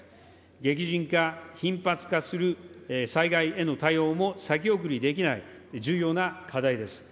激甚化・頻発化する災害への対応も、先送りできない重要な課題です。